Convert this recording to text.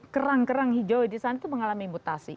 kerang kerang hijau di sana itu mengalami mutasi